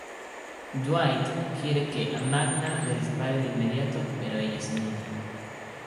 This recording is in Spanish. Dwight quiere que Magna le dispare de inmediato, pero ella se niega.